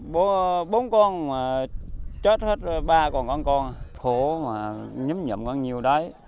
bố con chết hết ba con con con khổ mà nhấm nhậm con nhiều đấy